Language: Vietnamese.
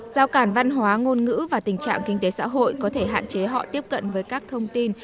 giao cản văn hóa ngôn ngữ và tình trạng kinh tế xã hội có thể hạn chế họ tiếp cận với các thông tin